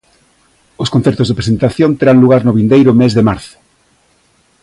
Os concertos de presentación terán lugar no vindeiro mes de marzo.